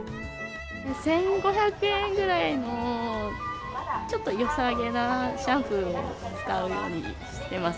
１５００円ぐらいのちょっとよさげなシャンプーを使うようにしてます。